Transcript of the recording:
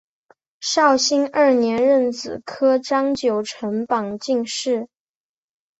绍兴二年壬子科张九成榜进士。